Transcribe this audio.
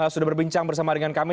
sudah berbincang bersama dengan kami